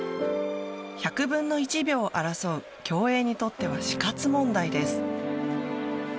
１００分の１秒を争う競泳にとっては死活問題です。